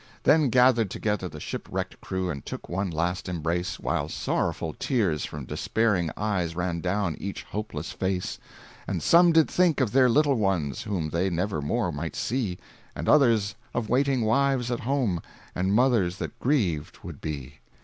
Then gathered together the shipwrecked crew And took one last embrace, While sorrowful tears from despairing eyes Ran down each hopeless face; And some did think of their little ones Whom they never more might see, And others of waiting wives at home, And mothers that grieved would be.